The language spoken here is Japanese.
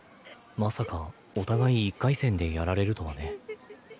まさかお互い１回戦でやられるとはね。